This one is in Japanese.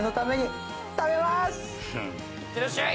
いってらっしゃい！